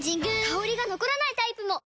香りが残らないタイプも！